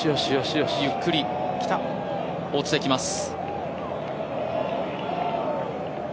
落ちてきます。